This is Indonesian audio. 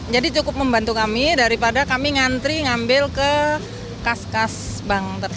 jadi cukup membantu kami daripada kami ngantri ngambil ke kas kas bank tertentu